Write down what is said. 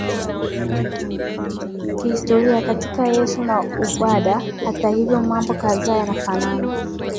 kihistoria kati ya Yesu na Ubuddha Hata hivyo mambo kadhaa yanafanana